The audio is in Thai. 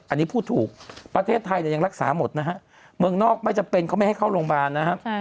อันนี้พูดถูกประเทศไทยเนี่ยยังรักษาหมดนะฮะเมืองนอกไม่จำเป็นเขาไม่ให้เข้าโรงพยาบาลนะครับ